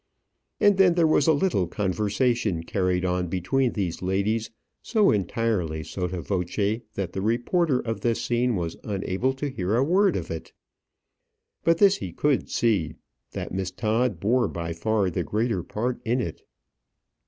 And then there was a little conversation carried on between these ladies so entirely sotto voce that the reporter of this scene was unable to hear a word of it. But this he could see, that Miss Todd bore by far the greater part in it.